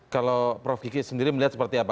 kalau prof kiki sendiri melihat seperti apa